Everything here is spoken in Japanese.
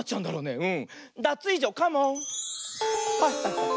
うん。